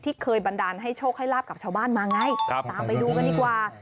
เคยบันดาลให้โชคให้ลาบกับชาวบ้านมาไงตามไปดูกันดีกว่า